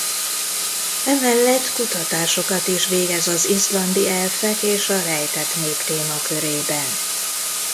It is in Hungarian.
Emellett kutatásokat is végez az izlandi elfek és a rejtett nép témakörében.